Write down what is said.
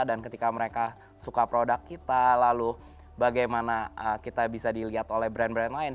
dan ketika mereka suka produk kita lalu bagaimana kita bisa dilihat oleh brand brand lain